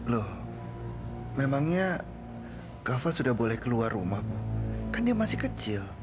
loh memangnya kava sudah boleh keluar rumah kan dia masih kecil